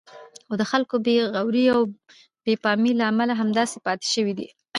خو د خلکو بې غورئ او بې پامۍ له امله همداسې پاتې شوی دی.